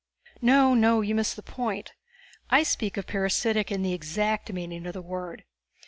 "No, no you miss the point! I speak of parasitic in the exact meaning of the word.